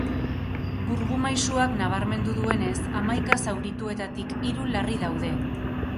Burgumaisuak nabarmendu duenez, hamaika zaurituetatik hiru larri daude.